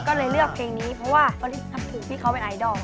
ก็เลยเลือกเพลงนี้เพราะว่าฟาริสรับถือพี่เขาเป็นไอดอล